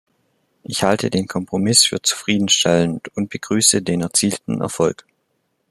Ich halte den Kompromiss für zufriedenstellend und begrüße den erzielten Erfolg.